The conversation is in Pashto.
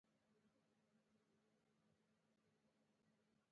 سایتوپلازم یې د هستې په شاوخوا کې پروت دی.